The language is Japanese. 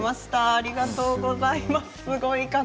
ありがとうございます。